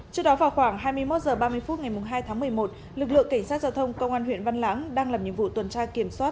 trước đó vào khoảng hai mươi một h ba mươi phút ngày hai tháng một mươi một lực lượng cảnh sát giao thông công an huyện văn lãng đang làm nhiệm vụ tuần tra kiểm soát